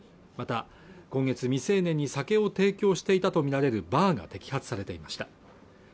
また今月未成年に酒を提供していたと見られるバーが摘発されていました